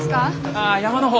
ああ山の方。